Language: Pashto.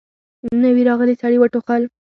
نوي راغلي سړي وټوخل.